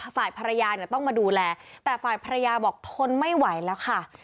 ฝ่ายภรรยาเนี่ยต้องมาดูแลแต่ฝ่ายภรรยาบอกทนไม่ไหวแล้วค่ะ